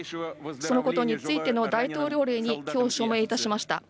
そのことについての大統領令にきょう、署名いたしました。